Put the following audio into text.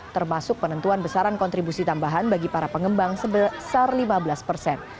termasuk penentuan besaran kontribusi tambahan bagi para pengembang sebesar lima belas persen